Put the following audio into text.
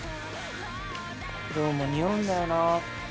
どうもにおうんだよな